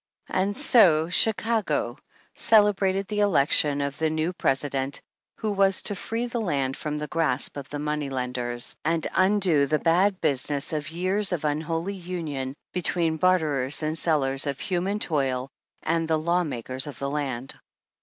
And so Chicago celebrated the election of the new President who was to free the land from the grasp of the money lenders, and undo the bad business of years of unholy union between barterers and sellers of human toil and the law makers of the land.